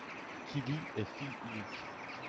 Kylie est fille unique.